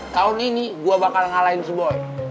tahun ini gue bakal ngalahin si boy